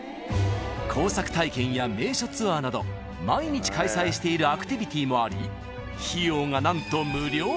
［工作体験や名所ツアーなど毎日開催しているアクティビティもあり費用がなんと］